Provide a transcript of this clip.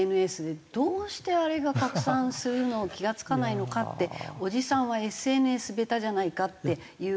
どうしてあれが拡散するのを気が付かないのかっておじさんはＳＮＳ下手じゃないかっていう提案があるんだけど。